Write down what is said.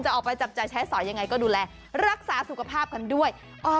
ออกไปจับจ่ายใช้สอยยังไงก็ดูแลรักษาสุขภาพกันด้วย